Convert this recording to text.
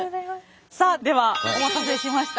さあではお待たせしました。